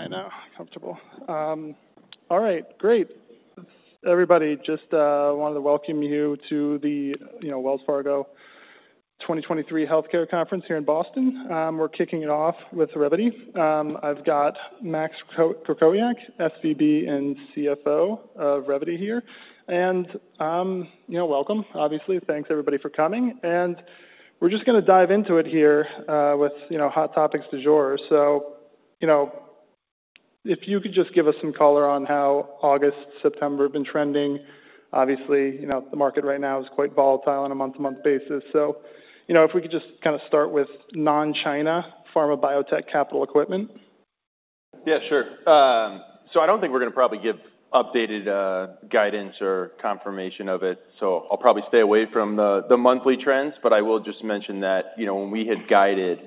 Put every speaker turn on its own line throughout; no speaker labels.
I know, comfortable. All right, great. Everybody, just wanted to welcome you to the, you know, Wells Fargo 2023 Healthcare Conference here in Boston. We're kicking it off with Revvity. I've got Max Krakowiak, SVP and CFO of Revvity here. And, you know, welcome. Obviously, thanks everybody for coming. And we're just gonna dive into it here, with, you know, hot topics du jour. So, you know, if you could just give us some color on how August, September have been trending. Obviously, you know, the market right now is quite volatile on a month-to-month basis. So, you know, if we could just kind of start with non-China pharma biotech capital equipment.
Yeah, sure. So I don't think we're going to probably give updated guidance or confirmation of it, so I'll probably stay away from the monthly trends. But I will just mention that, you know, when we had guided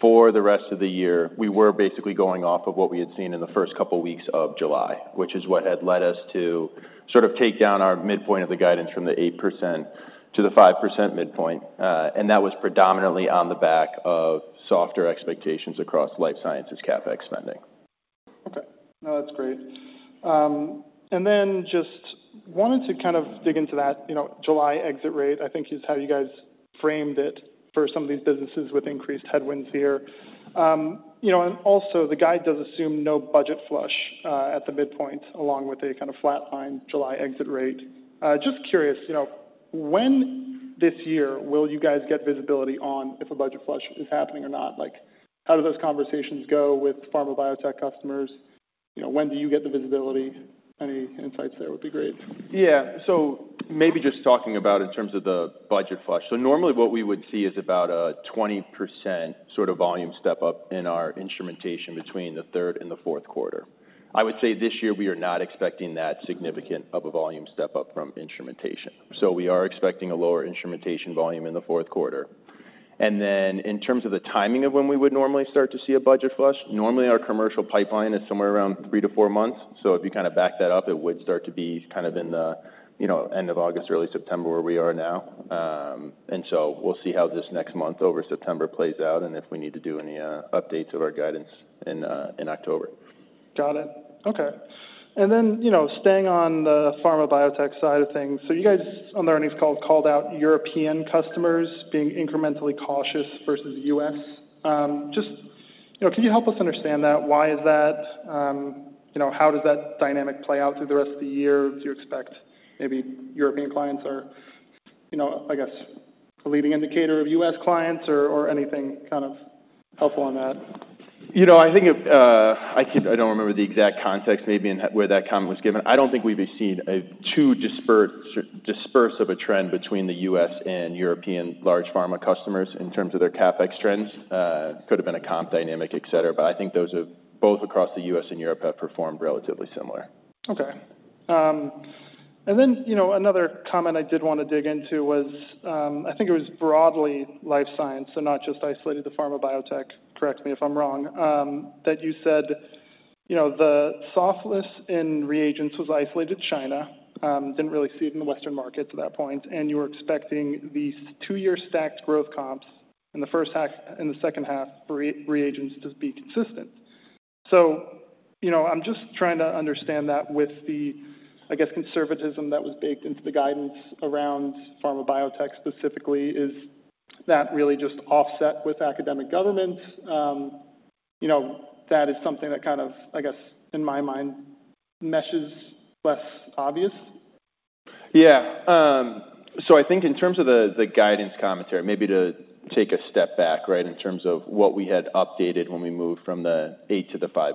for the rest of the year, we were basically going off of what we had seen in the first couple weeks of July, which is what had led us to sort of take down our midpoint of the guidance from the 8% to the 5% midpoint. And that was predominantly on the back of softer expectations across Life Sciences CapEx spending.
Okay. No, that's great. And then just wanted to kind of dig into that, you know, July exit rate, I think, is how you guys framed it for some of these businesses with increased headwinds here. And also the guide does assume no budget flush, at the midpoint, along with a kind of flatline July exit rate. Just curious, you know, when this year will you guys get visibility on if a budget flush is happening or not? Like, how do those conversations go with pharma biotech customers? You know, when do you get the visibility? Any insights there would be great.
Yeah. So maybe just talking about in terms of the budget flush. So normally what we would see is about a 20% sort of volume step up in our instrumentation between the third and the fourth quarter. I would say this year, we are not expecting that significant of a volume step up from instrumentation. So we are expecting a lower instrumentation volume in the fourth quarter. And then in terms of the timing of when we would normally start to see a budget flush, normally our commercial pipeline is somewhere around 3 months-4 months. So if you kind of back that up, it would start to be kind of in the, you know, end of August, early September, where we are now. And so we'll see how this next month over September plays out and if we need to do any updates of our guidance in October.
Got it. Okay. And then, you know, staying on the pharma biotech side of things. So you guys, on the earnings call, called out European customers being incrementally cautious versus U.S. Just, you know, can you help us understand that? Why is that? You know, how does that dynamic play out through the rest of the year? Do you expect maybe European clients are, you know, I guess, a leading indicator of U.S. clients or, or anything kind of helpful on that?
You know, I think it, I can't—I don't remember the exact context maybe in where that comment was given. I don't think we've seen a too disperse dispersion of a trend between the U.S. and European large pharma customers in terms of their CapEx trends. Could have been a comp dynamic, et cetera, but I think those are both across the U.S. and Europe have performed relatively similar.
Okay. And then, you know, another comment I did want to dig into was, I think it was broadly Life Science and not just isolated to pharma biotech, correct me if I'm wrong, that you said, you know, the softness in reagents was isolated to China, didn't really see it in the Western market to that point, and you were expecting these two-year stacked growth comps in the first half and the second half reagents to be consistent. So, you know, I'm just trying to understand that with the, I guess, conservatism that was baked into the guidance around pharma biotech specifically, is that really just offset with academic governments? You know, that is something that kind of, I guess, in my mind, meshes less obvious.
Yeah. So I think in terms of the, the guidance commentary, maybe to take a step back, right, in terms of what we had updated when we moved from the 8% to the 5%.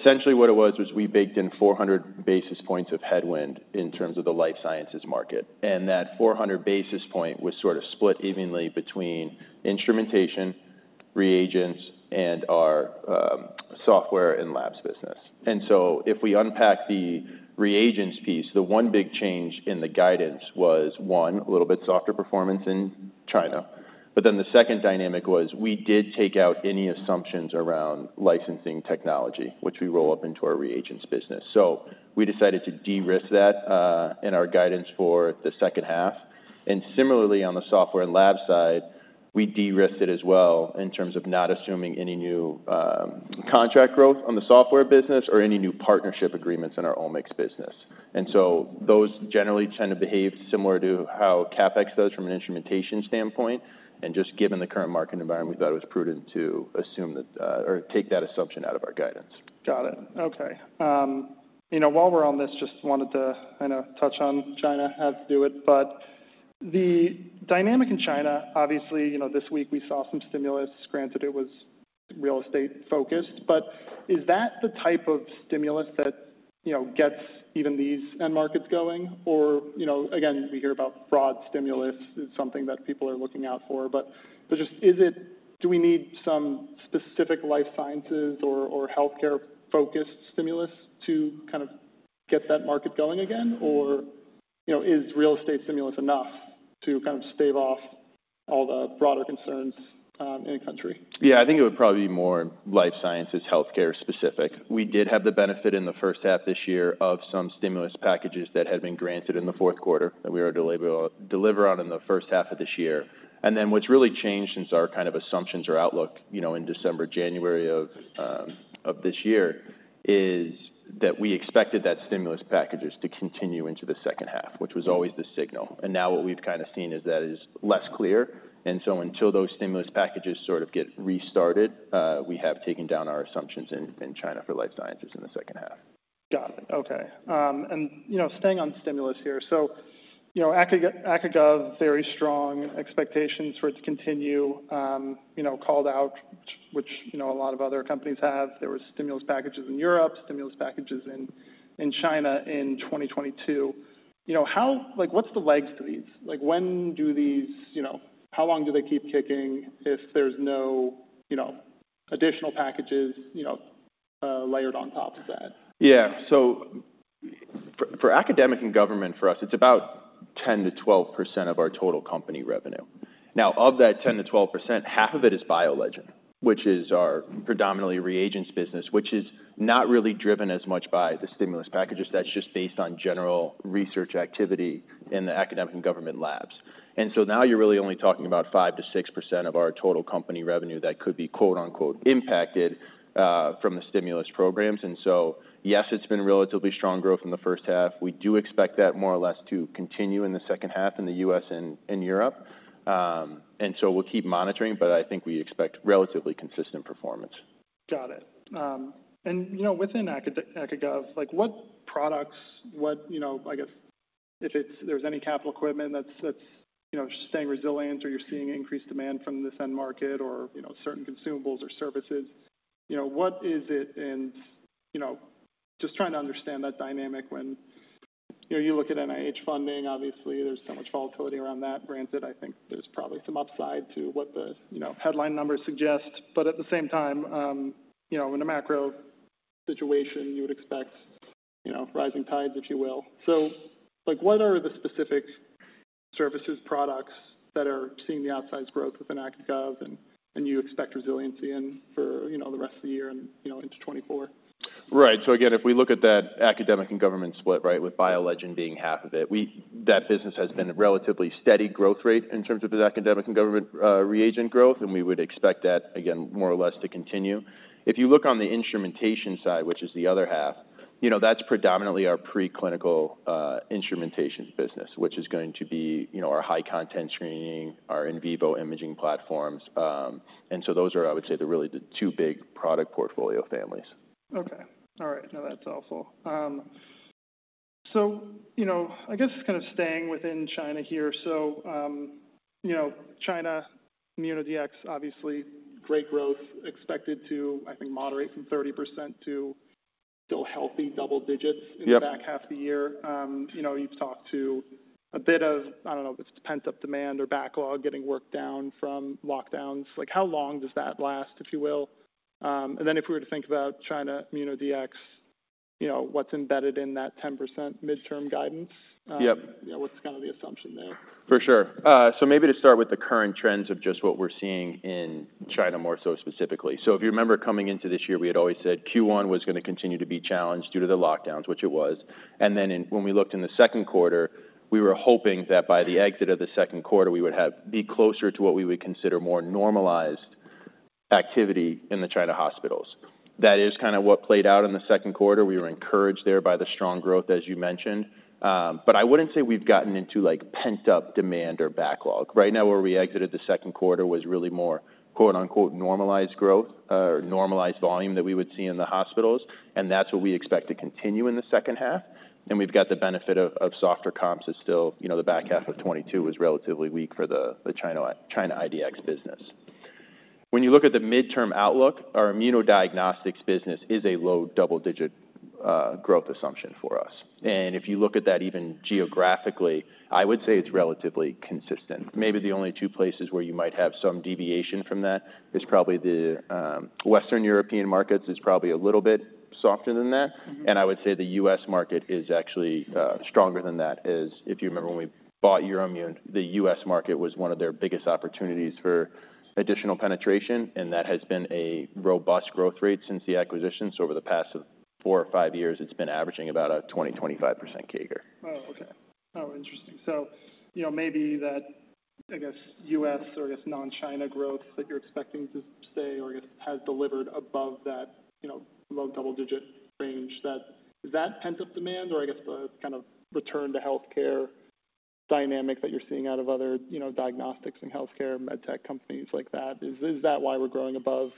Essentially, what it was, was we baked in 400 basis points of headwind in terms of the Life Sciences market, and that 400 basis point was sort of split evenly between instrumentation, reagents, and our Software and Labs business. So if we unpack the reagents piece, the one big change in the guidance was, one, a little bit softer performance in China. But then the second dynamic was we did take out any assumptions around licensing technology, which we roll up into our reagents business. So we decided to de-risk that in our guidance for the second half. And similarly, on the software and lab side, we de-risked it as well in terms of not assuming any new contract growth on the Software business or any new partnership agreements in our Omics business. And so those generally tend to behave similar to how CapEx does from an instrumentation standpoint, and just given the current market environment, we thought it was prudent to assume that, or take that assumption out of our guidance.
Got it. Okay. You know, while we're on this, just wanted to, you know, touch on China. Have to do it, but the dynamic in China, obviously, you know, this week we saw some stimulus. Granted, it was real estate-focused, but is that the type of stimulus that, you know, gets even these end markets going? Or, you know, again, we hear about broad stimulus is something that people are looking out for, but just... Is it? Do we need some specific life sciences or healthcare-focused stimulus to kind of get that market going again? Or, you know, is real estate stimulus enough to kind of stave off all the broader concerns in the country?
Yeah, I think it would probably be more life sciences, healthcare specific. We did have the benefit in the first half this year of some stimulus packages that had been granted in the fourth quarter that we were to deliver on in the first half of this year. And then what's really changed since our kind of assumptions or outlook, you know, in December, January of this year, is that we expected that stimulus packages to continue into the second half, which was always the signal. And now what we've kind of seen is that is less clear. And so until those stimulus packages sort of get restarted, we have taken down our assumptions in China for Life Sciences in the second half.
Got it. Okay. And, you know, staying on stimulus here, so, you know, AcaGov, very strong expectations for it to continue, you know, called out, which, you know, a lot of other companies have. There was stimulus packages in Europe, stimulus packages in China in 2022. You know, how—like, what's the legs to these? Like, when do these, you know, how long do they keep kicking if there's no, you know, additional packages, you know, layered on top of that?
Yeah. So for academic and government, for us, it's about 10%-12% of our total company revenue. Now, of that 10%-12%, half of it is BioLegend, which is our predominantly reagents business, which is not really driven as much by the stimulus packages. That's just based on general research activity in the academic and government labs. And so now you're really only talking about 5%-6% of our total company revenue that could be, quote-unquote, "impacted" from the stimulus programs. And so, yes, it's been relatively strong growth in the first half. We do expect that more or less to continue in the second half in the U.S. and Europe. And so we'll keep monitoring, but I think we expect relatively consistent performance.
Got it. And, you know, within AcaGov, like, what products, what—you know, I guess, if it's—there's any capital equipment that's, you know, staying resilient or you're seeing increased demand from this end market or, you know, certain consumables or services, you know, what is it? And, you know, just trying to understand that dynamic when, you know, you look at NIH funding, obviously, there's so much volatility around that. Granted, I think there's probably some upside to what the, you know, headline numbers suggest. But at the same time, you know, in a macro situation, you would expect, you know, rising tides, if you will. So, like, what are the specific services, products that are seeing the outsized growth within AcaGov, and you expect resiliency in for, you know, the rest of the year and, you know, into 2024?
Right. So again, if we look at that academic and government split, right, with BioLegend being half of it, that business has been a relatively steady growth rate in terms of the academic and government reagent growth, and we would expect that, again, more or less to continue. If you look on the instrumentation side, which is the other half, you know, that's predominantly our preclinical instrumentation business, which is going to be, you know, our High content screening, our In vivo imaging platforms. And so those are, I would say, really the two big product portfolio families.
Okay. All right. No, that's helpful. So, you know, I guess kind of staying within China here. So, you know, China, ImmunoDX, obviously great growth, expected to, I think, moderate from 30% to still healthy double digits-
Yep.
In the back half of the year. You know, you've talked to a bit of, I don't know, if it's pent-up demand or backlog getting worked down from lockdowns. Like, how long does that last, if you will? And then if we were to think about China, ImmunoDX, you know, what's embedded in that 10% midterm guidance?
Yep.
Yeah, what's kind of the assumption there?
For sure. So maybe to start with the current trends of just what we're seeing in China, more so specifically. So if you remember, coming into this year, we had always said Q1 was going to continue to be challenged due to the lockdowns, which it was. And then when we looked in the second quarter, we were hoping that by the exit of the second quarter, we would be closer to what we would consider more normalized activity in the China hospitals. That is kind of what played out in the second quarter. We were encouraged there by the strong growth, as you mentioned. But I wouldn't say we've gotten into, like, pent-up demand or backlog. Right now, where we exited the second quarter was really more, quote-unquote, "normalized growth" or normalized volume that we would see in the hospitals, and that's what we expect to continue in the second half. And we've got the benefit of softer comps is still, you know, the back half of 2022 was relatively weak for the China IDX business. When you look at the midterm outlook, our Immunodiagnostics business is a low double-digit growth assumption for us. And if you look at that even geographically, I would say it's relatively consistent. Maybe the only two places where you might have some deviation from that is probably the Western European markets is probably a little bit softer than that.
Mm-hmm.
I would say the U.S. market is actually stronger than that. As if you remember, when we bought Euroimmun, the U.S. market was one of their biggest opportunities for additional penetration, and that has been a robust growth rate since the acquisition. So over the past four or five years, it's been averaging about a 20%-25% CAGR.
Oh, okay. Oh, interesting. So, you know, maybe that, I guess, U.S. or guess, non-China growth that you're expecting to stay or I guess, has delivered above that, you know, low double-digit range, that... Is that pent-up demand or I guess the kind of return to healthcare dynamic that you're seeing out of other, you know, diagnostics and healthcare med tech companies like that? Is, is that why we're growing above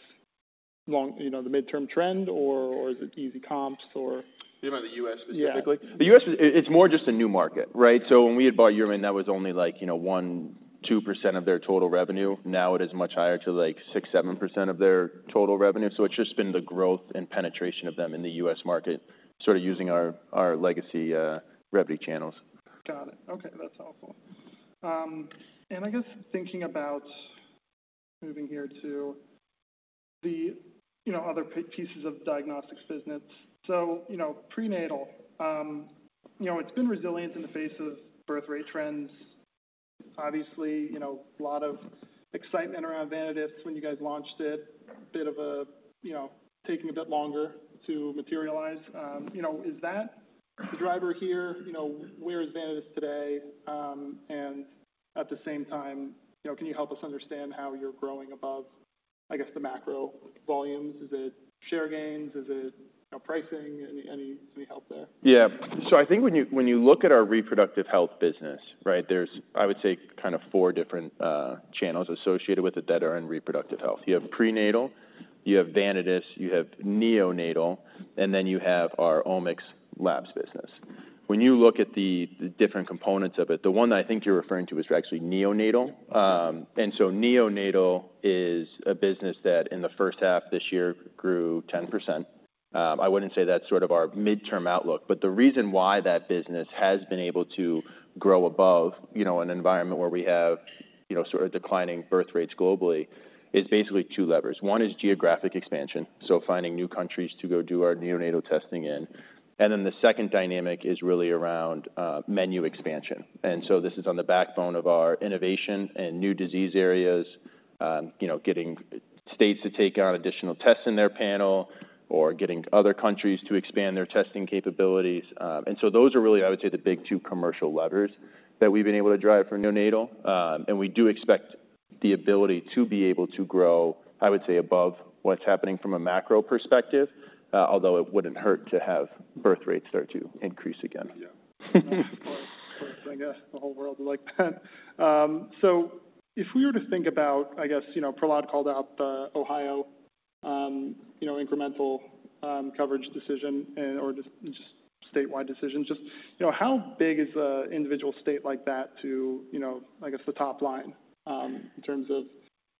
long, you know, the midterm trend, or, or is it easy comps, or?
You mean by the U.S. specifically?
Yeah.
The U.S., it's more just a new market, right? So when we had bought EUROIMMUN, that was only like, you know, 1%-2% of their total revenue. Now it is much higher to, like, 6%-7% of their total revenue. So it's just been the growth and penetration of them in the U.S. market, sort of using our legacy revenue channels.
Got it. Okay, that's helpful. And I guess thinking about moving here to the, you know, other pieces of Diagnostics business. So, you know, prenatal, you know, it's been resilient in the face of birth rate trends. Obviously, you know, a lot of excitement around Vanadis when you guys launched it. A bit of a, you know, taking a bit longer to materialize. You know, is that the driver here? You know, where is Vanadis today? And at the same time, you know, can you help us understand how you're growing above the macro volumes? I guess, the macro volumes. Is it share gains? Is it, you know, pricing? Any, some help there?
Yeah. So I think when you, when you look at our Reproductive Health business, right, there's, I would say, kind of four different channels associated with it that are in Reproductive Health. You have prenatal, you have Vanadis, you have neonatal, and then you have our Omics labs business. When you look at the different components of it, the one that I think you're referring to is actually neonatal. And so neonatal is a business that in the first half this year, grew 10%. I wouldn't say that's sort of our midterm outlook, but the reason why that business has been able to grow above, you know, an environment where we have, you know, sort of declining birth rates globally, is basically two levers. One is geographic expansion, so finding new countries to go do our neonatal testing in. And then the second dynamic is really around menu expansion. And so this is on the backbone of our innovation and new disease areas, you know, getting states to take on additional tests in their panel or getting other countries to expand their testing capabilities. And so those are really, I would say, the big two commercial levers that we've been able to drive for neonatal. And we do expect the ability to be able to grow, I would say, above what's happening from a macro perspective, although it wouldn't hurt to have birth rates start to increase again.
Yeah. I guess the whole world would like that. So if we were to think about, I guess, you know, Prahlad called out the Ohio, you know, incremental, coverage decision and/or just statewide decisions, just, you know, how big is a individual state like that to, you know, I guess, the top line, in terms of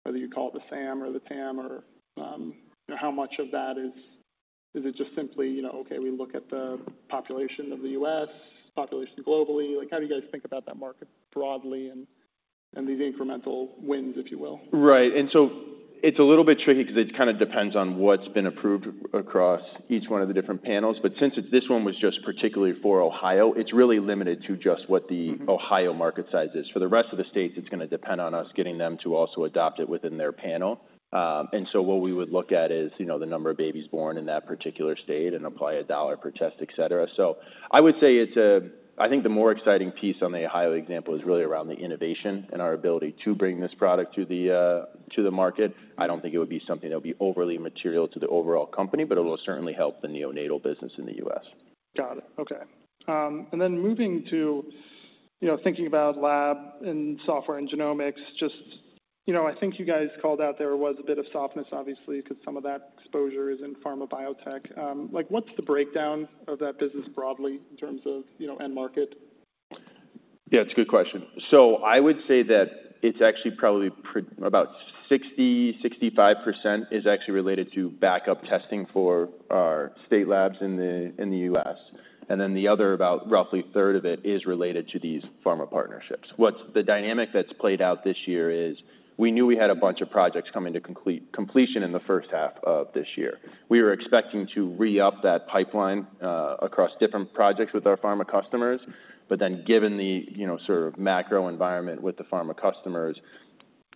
whether you call it the SAM or the TAM or, how much of that is... Is it just simply, you know, okay, we look at the population of the U.S., population globally. Like, how do you guys think about that market broadly and, and these incremental wins, if you will?
Right. And so it's a little bit tricky because it kind of depends on what's been approved across each one of the different panels. But since it, this one was just particularly for Ohio, it's really limited to just what the Ohio market size is. For the rest of the states, it's gonna depend on us getting them to also adopt it within their panel. And so what we would look at is, you know, the number of babies born in that particular state and apply $1 per test, et cetera. So I would say it's a, I think the more exciting piece on the Ohio example is really around the innovation and our ability to bring this product to the, to the market. I don't think it would be something that would be overly material to the overall company, but it will certainly help the neonatal business in the U.S.
Got it. Okay. And then moving to, you know, thinking about lab and software and genomics, just, you know, I think you guys called out there was a bit of softness, obviously, because some of that exposure is in pharma biotech. Like, what's the breakdown of that business broadly in terms of, you know, end market?
Yeah, it's a good question. So I would say that it's actually probably about 60-65% is actually related to backup testing for our state labs in the, in the U.S. And then the other, about roughly a third of it, is related to these pharma partnerships. What's the dynamic that's played out this year is, we knew we had a bunch of projects coming to completion in the first half of this year. We were expecting to re-up that pipeline, across different projects with our pharma customers, but then given the, you know, sort of macro environment with the pharma customers,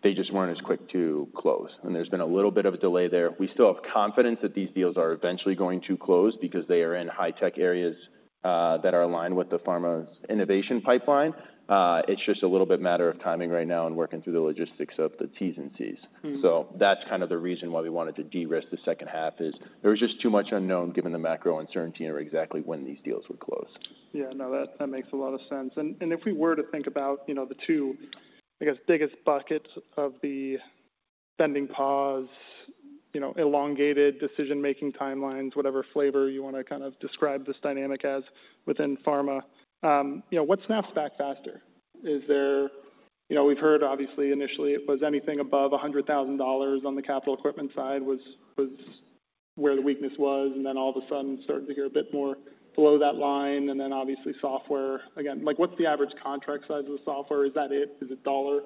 they just weren't as quick to close, and there's been a little bit of a delay there. We still have confidence that these deals are eventually going to close because they are in high-tech areas, that are aligned with the pharma's innovation pipeline. It's just a little bit matter of timing right now and working through the logistics of the T's&C's.
Mm-hmm.
That's kind of the reason why we wanted to de-risk the second half, is there was just too much unknown, given the macro uncertainty or exactly when these deals would close.
Yeah. No, that makes a lot of sense. And if we were to think about, you know, the two, I guess, biggest buckets of the spending pause, you know, elongated decision-making timelines, whatever flavor you want to kind of describe this dynamic as within pharma, you know, what snaps back faster? Is there? You know, we've heard, obviously, initially, it was anything above $100,000 on the capital equipment side was where the weakness was, and then all of a sudden, starting to hear a bit more below that line, and then obviously software again. Like, what's the average contract size of the software? Is that it? Is it dollar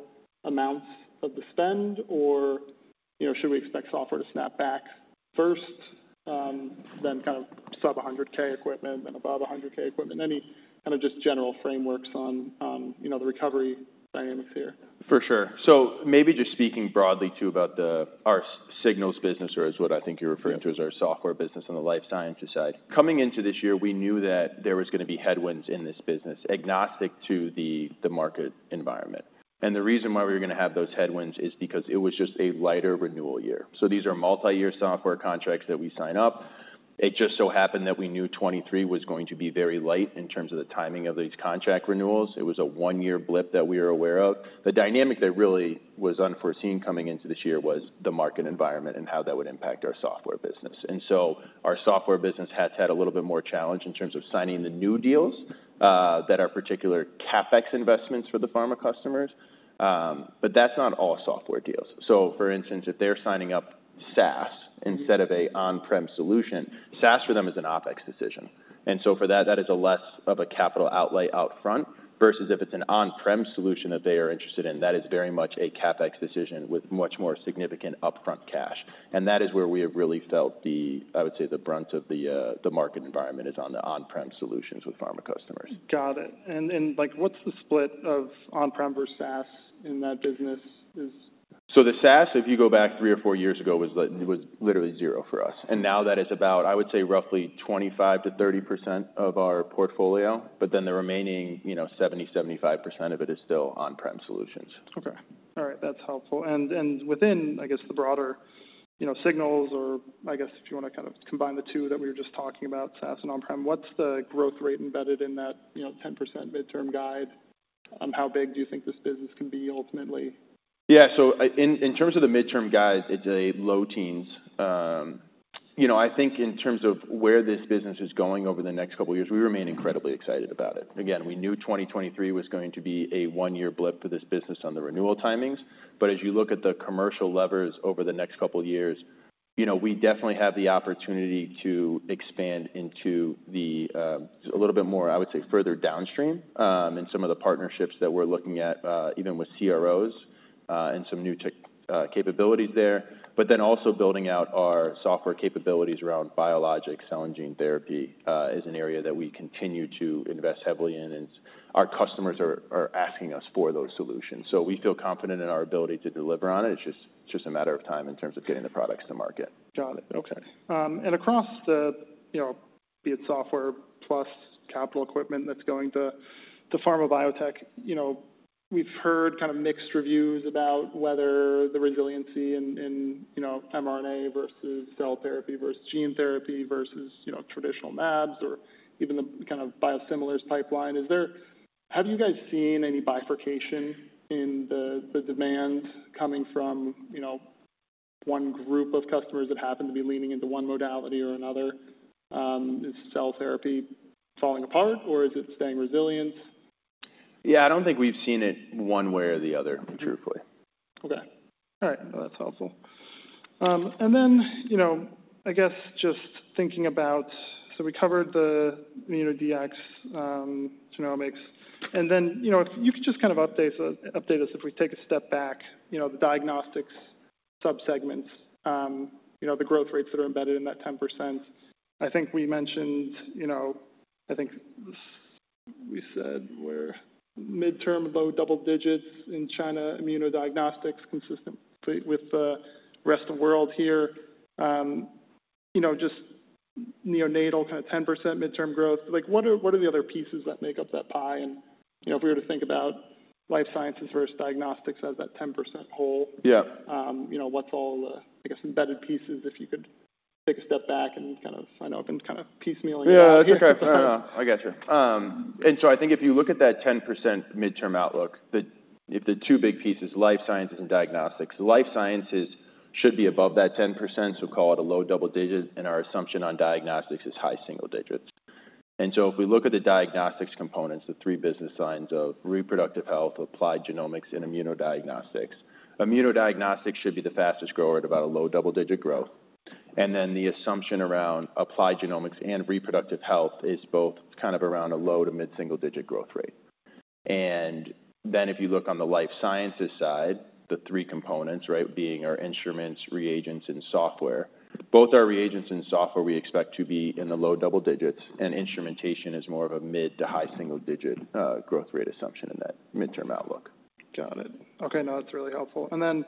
amounts of the spend, or, you know, should we expect software to snap back first, then kind of sub-$100K equipment, then above-$100K equipment? Any kind of just general frameworks on, you know, the recovery dynamics here?
For sure. So maybe just speaking broadly, too, about our Signals business or is what I think you're referring to, is our Software business on the Life Sciences side. Coming into this year, we knew that there was going to be headwinds in this business, agnostic to the market environment. The reason why we were going to have those headwinds is because it was just a lighter renewal year. So these are multi-year software contracts that we sign up. It just so happened that we knew 2023 was going to be very light in terms of the timing of these contract renewals. It was a one-year blip that we were aware of. The dynamic that really was unforeseen coming into this year was the market environment and how that would impact our Software business. And so our Software business has had a little bit more challenge in terms of signing the new deals that are particular CapEx investments for the pharma customers, but that's not all software deals. So for instance, if they're signing up SaaS instead of an on-prem solution, SaaS for them is an OpEx decision. And so for that, that is less of a capital outlay out front, versus if it's an on-prem solution that they are interested in, that is very much a CapEx decision with much more significant upfront cash. And that is where we have really felt the, I would say, the brunt of the market environment is on the on-prem solutions with pharma customers.
Got it. And then, like, what's the split of on-prem versus SaaS in that business? Is-
So the SaaS, if you go back three or four years ago, was literally zero for us, and now that is about, I would say, roughly 25%-30% of our portfolio, but then the remaining, you know, 70%-75% of it is still on-prem solutions.
Okay. All right, that's helpful. And within, I guess, the broader, you know, Signals, or I guess if you want to kind of combine the two that we were just talking about, SaaS and on-prem, what's the growth rate embedded in that, you know, 10% midterm guide? How big do you think this business can be ultimately?
Yeah. So in terms of the midterm guide, it's a low teens. You know, I think in terms of where this business is going over the next couple of years, we remain incredibly excited about it. Again, we knew 2023 was going to be a one-year blip for this business on the renewal timings, but as you look at the commercial levers over the next couple of years, you know, we definitely have the opportunity to expand into the a little bit more, I would say, further downstream in some of the partnerships that we're looking at, even with CROs, and some new tech capabilities there. But then also building out our software capabilities around biologic cell and gene therapy is an area that we continue to invest heavily in, and our customers are asking us for those solutions. We feel confident in our ability to deliver on it. It's just, it's just a matter of time in terms of getting the products to market.
Got it. Okay. Across the, you know, be it software plus capital equipment that's going to pharma biotech, you know, we've heard kind of mixed reviews about whether the resiliency in you know, mRNA versus cell therapy versus gene therapy versus, you know, traditional mAbs, or even the kind of biosimilars pipeline. Is there? Have you guys seen any bifurcation in the demand coming from, you know, one group of customers that happen to be leaning into one modality or another? Is cell therapy falling apart, or is it staying resilient.
Yeah, I don't think we've seen it one way or the other, truthfully.
Okay. All right. Well, that's helpful. And then, you know, I guess just thinking about... So we covered the Immunodiagnostics, Genomics, and then, you know, if you could just kind of update us, if we take a step back, you know, the Diagnostics subsegments, you know, the growth rates that are embedded in that 10%. I think we mentioned, you know, I think we said we're midterm, low double digits in China, Immunodiagnostics, consistently with the rest of world here. You know, just neonatal, kind of 10% midterm growth. Like, what are the other pieces that make up that pie? And, you know, if we were to think about Life Sciences versus Diagnostics as that 10% whole-
Yeah.
You know, what's all the, I guess, embedded pieces, if you could take a step back and kind of... I know it's kind of piecemeal.
Yeah. Okay. No, no, I got you. And so I think if you look at that 10% midterm outlook, the two big pieces, Life Sciences and Diagnostics. Life Sciences should be above that 10%, so call it a low double digits, and our assumption on Diagnostics is high single digits. And so if we look at the Diagnostics components, the three business lines of Reproductive Health, Applied Genomics, and Immunodiagnostics. Immunodiagnostics should be the fastest grower at about a low double-digit growth. And then the assumption around Applied Genomics and Reproductive Health is both kind of around a low to mid single-digit growth rate. And then if you look on the Life Sciences side, the three components, right, being our instruments, reagents, and software. Both our reagents and software, we expect to be in the low double digits, and instrumentation is more of a mid to high single digit growth rate assumption in that midterm outlook.
Got it. Okay. No, that's really helpful. And then,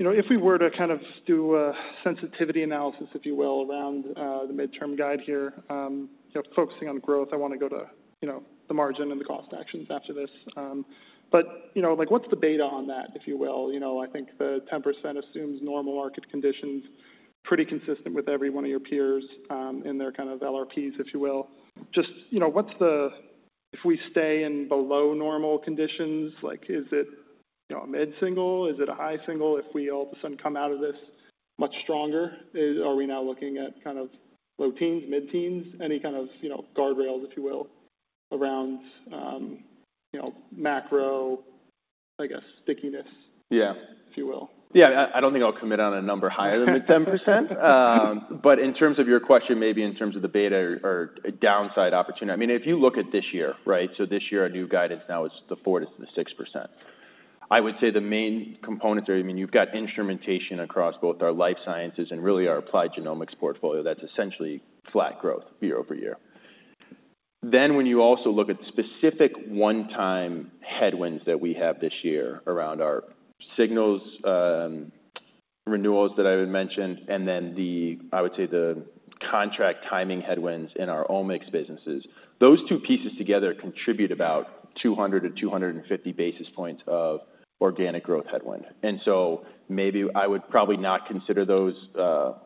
you know, if we were to kind of do a sensitivity analysis, if you will, around the midterm guide here, you know, focusing on growth, I want to go to, you know, the margin and the cost actions after this. But, you know, like, what's the beta on that, if you will? You know, I think the 10% assumes normal market conditions, pretty consistent with every one of your peers, in their kind of LRPs, if you will. Just, you know, what's the... If we stay in below normal conditions, like, is it, you know, a mid single? Is it a high single if we all of a sudden come out of this much stronger? Are we now looking at kind of low teens, mid-teens, any kind of, you know, guardrails, if you will, around, you know, macro, I guess, stickiness?
Yeah
If you will.
Yeah. I don't think I'll commit on a number higher than the 10%. But in terms of your question, maybe in terms of the beta or downside opportunity, I mean, if you look at this year, right? So this year, our new guidance now is the 4%-6%. I would say the main components are, I mean, you've got instrumentation across both our Life Sciences and really our Applied Genomics portfolio. That's essentially flat growth year-over-year. Then when you also look at specific one-time headwinds that we have this year around our Signals renewals that I had mentioned, and then the, I would say the contract timing headwinds in our Omics businesses, those two pieces together contribute about 200-250 basis points of organic growth headwind. And so maybe I would probably not consider those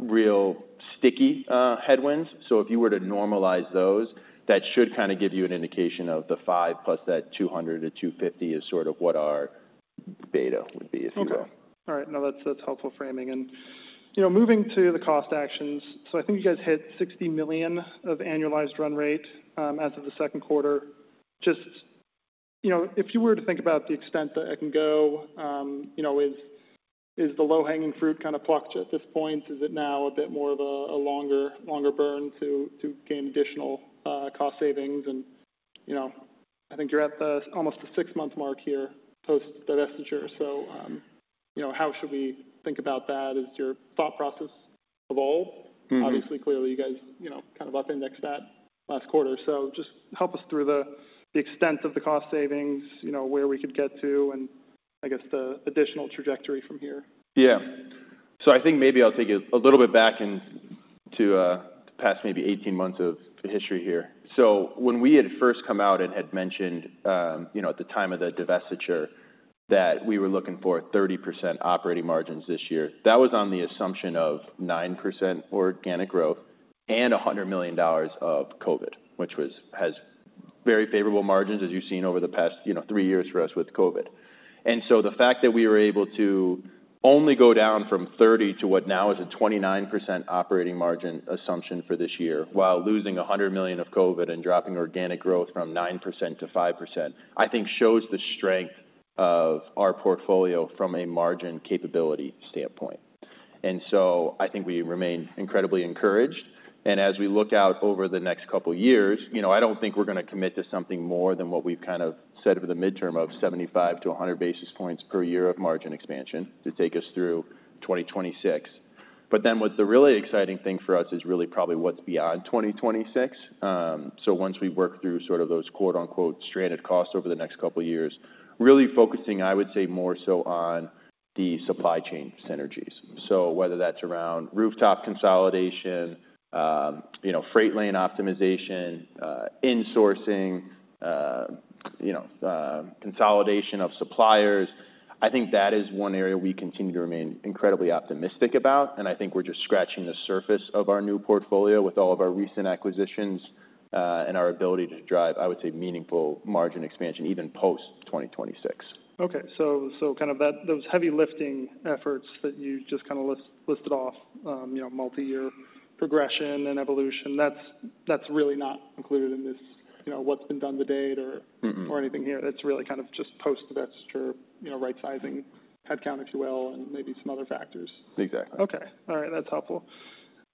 real sticky headwinds. So if you were to normalize those, that should kind of give you an indication of the 5+ that 200-250 is sort of what our beta would be, if you will.
Okay. All right. No, that's, that's helpful framing. And, you know, moving to the cost actions, so I think you guys hit $60 million of annualized run rate as of the second quarter. Just, you know, if you were to think about the extent that it can go, you know, is the low-hanging fruit kind of plucked at this point? Is it now a bit more of a longer burn to gain additional cost savings? And, you know, I think you're at almost the six-month mark here post the divestiture. So, you know, how should we think about that? Is your thought process-... of all.
Mm-hmm.
Obviously, clearly, you guys, you know, kind of up-indexed that last quarter. Just help us through the extent of the cost savings, you know, where we could get to and I guess the additional trajectory from here.
Yeah. So I think maybe I'll take it a little bit back into the past maybe 18 months of history here. So when we had first come out and had mentioned, you know, at the time of the divestiture, that we were looking for 30% operating margins this year, that was on the assumption of 9% organic growth and $100 million of COVID, which has very favorable margins, as you've seen over the past, you know, 3 years for us with COVID. And so the fact that we were able to only go down from 30 to what now is a 29% operating margin assumption for this year, while losing $100 million of COVID and dropping organic growth from 9% to 5%, I think shows the strength of our portfolio from a margin capability standpoint. And so I think we remain incredibly encouraged. And as we look out over the next couple of years, you know, I don't think we're going to commit to something more than what we've kind of said over the midterm of 75-100 basis points per year of margin expansion to take us through 2026. But then what's the really exciting thing for us is really probably what's beyond 2026. So once we work through sort of those “stranded costs” over the next couple of years, really focusing, I would say, more so on the supply chain synergies. So whether that's around rooftop consolidation, you know, freight lane optimization, you know, consolidation of suppliers, I think that is one area we continue to remain incredibly optimistic about, and I think we're just scratching the surface of our new portfolio with all of our recent acquisitions, and our ability to drive, I would say, meaningful margin expansion, even post 2026.
Okay. So, kind of those heavy lifting efforts that you just kind of listed off, you know, multi-year progression and evolution, that's really not included in this, you know, what's been done to date or-
Mm-mm.
or anything here. That's really kind of just post-divestiture, you know, right-sizing headcount, if you will, and maybe some other factors.
Exactly.
Okay. All right, that's helpful.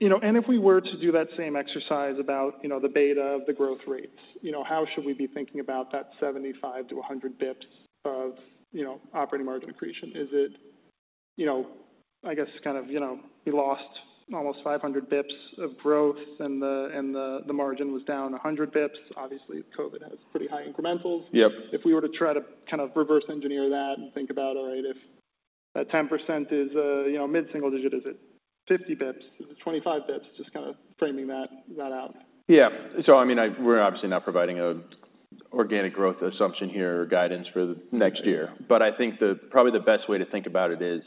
You know, and if we were to do that same exercise about, you know, the beta of the growth rates, you know, how should we be thinking about that 75-100 basis points of, you know, operating margin accretion? Is it... You know, I guess kind of, you know, you lost almost 500 basis points of growth and the margin was down 100 basis points. Obviously, COVID has pretty high incrementals.
Yep.
If we were to try to kind of reverse engineer that and think about, all right, if that 10% is, you know, mid-single digit, is it 50 bps? Is it 25 bps? Just kind of framing that, that out.
Yeah. So I mean, we're obviously not providing an organic growth assumption here or guidance for next year. But I think probably the best way to think about it is,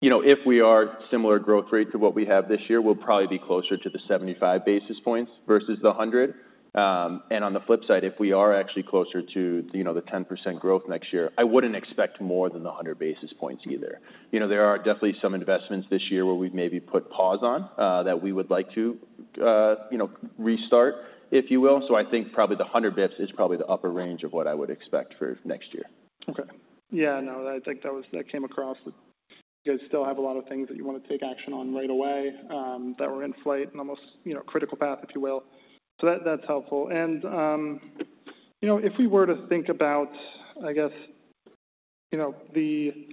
you know, if we are similar growth rate to what we have this year, we'll probably be closer to the 75 basis points versus the 100. And on the flip side, if we are actually closer to, you know, the 10% growth next year, I wouldn't expect more than the 100 basis points either. You know, there are definitely some investments this year where we've maybe put pause on, that we would like to, you know, restart, if you will. So I think probably the 100 basis points is probably the upper range of what I would expect for next year.
Okay. Yeah, no, I think that was... That came across. You guys still have a lot of things that you want to take action on right away, that were in flight and almost, you know, critical path, if you will. So that, that's helpful. And, you know, if we were to think about, I guess, you know, the...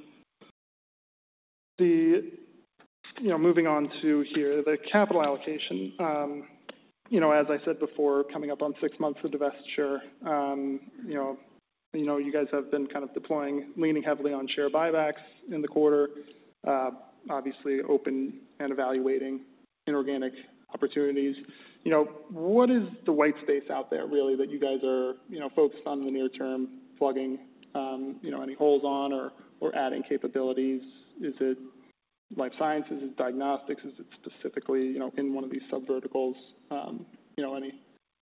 You know, moving on to here, the capital allocation. You know, as I said before, coming up on six months of divestiture, you know, you guys have been kind of deploying, leaning heavily on share buybacks in the quarter, obviously open and evaluating inorganic opportunities. You know, what is the white space out there, really, that you guys are, you know, focused on the near term, plugging, you know, any holes on or adding capabilities? Is it Life Sciences? Is it Diagnostics? Is it specifically, you know, in one of these subverticals? You know,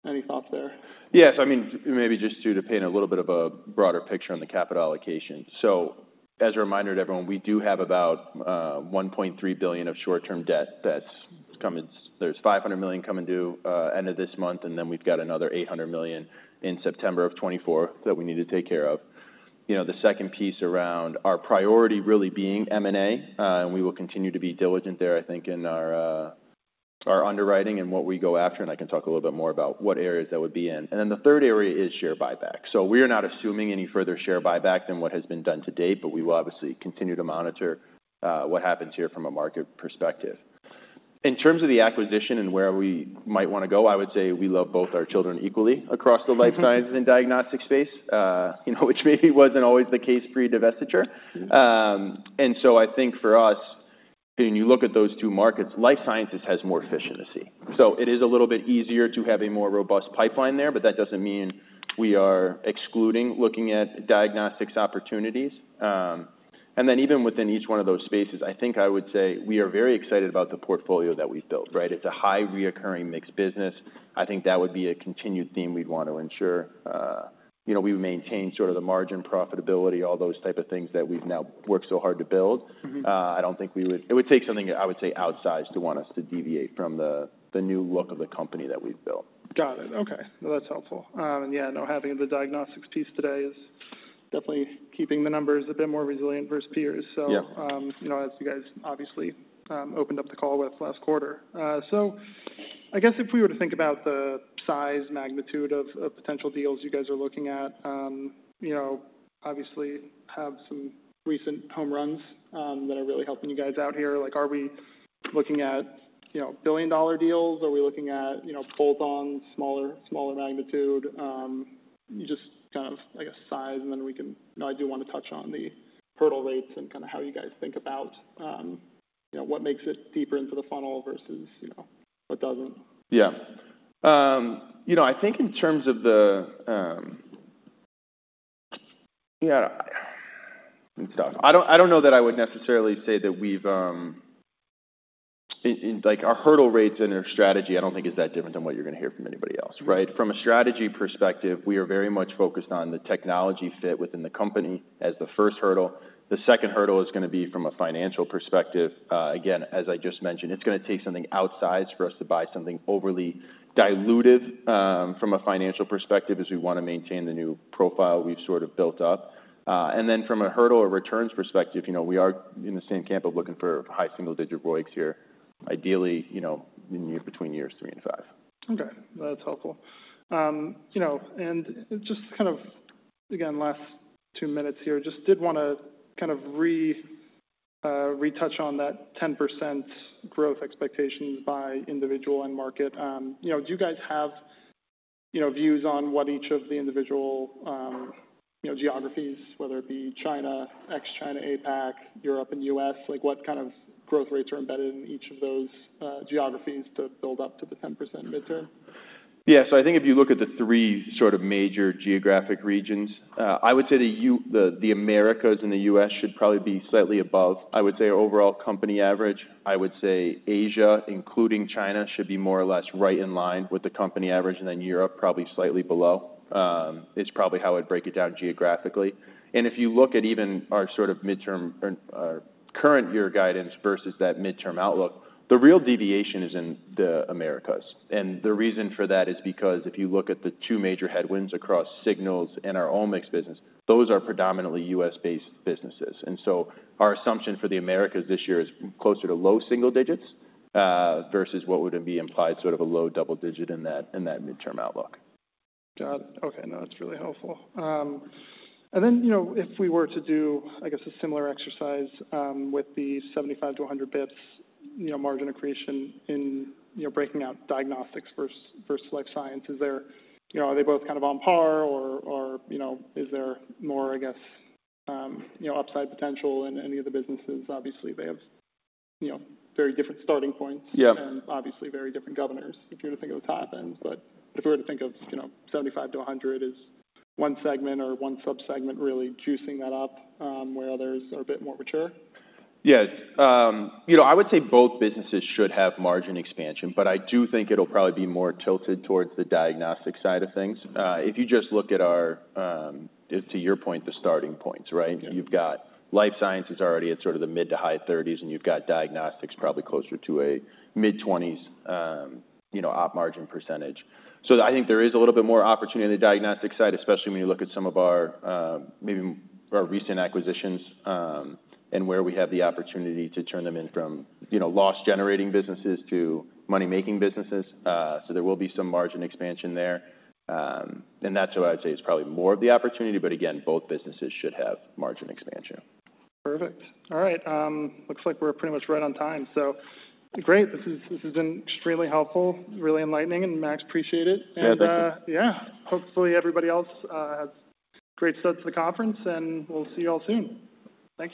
any thoughts there?
Yes, I mean, maybe just to paint a little bit of a broader picture on the capital allocation. So as a reminder to everyone, we do have about $1.3 billion of short-term debt that's coming. There's $500 million coming due end of this month, and then we've got another $800 million in September 2024 that we need to take care of. You know, the second piece around our priority really being M&A, and we will continue to be diligent there, I think, in our underwriting and what we go after, and I can talk a little bit more about what areas that would be in. And then the third area is share buyback. So we are not assuming any further share buyback than what has been done to date, but we will obviously continue to monitor what happens here from a market perspective. In terms of the acquisition and where we might want to go, I would say we love both our children equally across the Life Sciences and Diagnostics space, you know, which maybe wasn't always the case pre-divestiture. And so I think for us, when you look at those two markets, Life Sciences has more efficiency. So it is a little bit easier to have a more robust pipeline there, but that doesn't mean we are excluding looking at Diagnostics opportunities. And then even within each one of those spaces, I think I would say we are very excited about the portfolio that we've built, right? It's a high recurring mixed business. I think that would be a continued theme we'd want to ensure. You know, we maintain sort of the margin profitability, all those type of things that we've now worked so hard to build.
Mm-hmm.
I don't think we would. It would take something, I would say, outsized to want us to deviate from the new look of the company that we've built.
Got it. Okay, well, that's helpful. Yeah, I know having the Diagnostics piece today is definitely keeping the numbers a bit more resilient versus peers.
Yeah.
So, you know, as you guys obviously opened up the call with last quarter. I guess if we were to think about the size, magnitude of potential deals you guys are looking at, you know, obviously have some recent home runs that are really helping you guys out here. Like, are we looking at, you know, billion-dollar deals? Are we looking at, you know, bolt-on, smaller, smaller magnitude? Just kind of, I guess, size, and then we can—I do want to touch on the hurdle rates and kind of how you guys think about, you know, what makes it deeper into the funnel versus, you know, what doesn't.
Yeah. You know, I think in terms of the yeah, let me talk. I don't know that I would necessarily say that we've... In like our hurdle rates and our strategy, I don't think is that different than what you're going to hear from anybody else, right? From a strategy perspective, we are very much focused on the technology fit within the company as the first hurdle. The second hurdle is going to be from a financial perspective. Again, as I just mentioned, it's going to take something outsized for us to buy something overly diluted from a financial perspective, as we want to maintain the new profile we've sort of built up. And then from a hurdle or returns perspective, you know, we are in the same camp of looking for high single-digit ROICs here, ideally, you know, in between years three and five.
Okay, that's helpful. You know, and just kind of, again, last two minutes here, just did want to kind of retouch on that 10% growth expectations by individual end market. You know, do you guys have, you know, views on what each of the individual, you know, geographies, whether it be China, ex-China, APAC, Europe, and U.S.? Like, what kind of growth rates are embedded in each of those, geographies to build up to the 10% mid-term?
Yeah. So I think if you look at the three sort of major geographic regions, I would say the Americas and the U.S. should probably be slightly above, I would say, overall company average. I would say Asia, including China, should be more or less right in line with the company average, and then Europe, probably slightly below, is probably how I'd break it down geographically. And if you look at even our sort of midterm or our current year guidance versus that midterm outlook, the real deviation is in the Americas. And the reason for that is because if you look at the two major headwinds across Signals and our Omics business, those are predominantly U.S.-based businesses. And so our assumption for the Americas this year is closer to low single digits versus what would it be implied, sort of a low double digit in that midterm outlook.
Got it. Okay, no, that's really helpful. And then, you know, if we were to do, I guess, a similar exercise, with the 75-100 basis points, you know, margin accretion in, you know, breaking out Diagnostics versus Life Science, is there-- you know, are they both kind of on par or, or, you know, is there more, I guess, you know, upside potential in any of the businesses? Obviously, they have, you know, very different starting points-
Yeah.
And obviously very different governors if you were to think of the top end. But if we were to think of, you know, 75-100, is one segment or one subsegment really juicing that up, where others are a bit more mature?
Yes. You know, I would say both businesses should have margin expansion, but I do think it'll probably be more tilted towards the Diagnostic side of things. If you just look at our, to your point, the starting points, right?
Yeah.
You've got Life Sciences already at sort of the mid- to high 30s, and you've got Diagnostics probably closer to a mid-20s, you know, Op margin percentage. So I think there is a little bit more opportunity on the Diagnostic side, especially when you look at some of our, maybe our recent acquisitions, and where we have the opportunity to turn them in from, you know, loss-generating businesses to money-making businesses. So there will be some margin expansion there. And that's what I'd say is probably more of the opportunity. But again, both businesses should have margin expansion.
Perfect. All right, looks like we're pretty much right on time, so great. This has been extremely helpful, really enlightening, and Max, appreciate it.
Yeah, thank you.
Yeah, hopefully, everybody else has a great start to the conference, and we'll see you all soon. Thanks.